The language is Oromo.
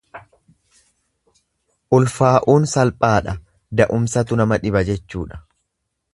Ulfaa'uun salphaadha da'umsatu nama dhiba jechuudha.